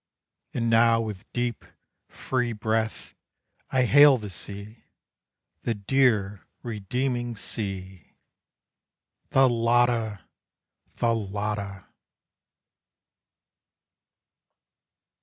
And now with deep, free breath, I hail the sea, The dear, redeeming sea Thalatta! Thalatta!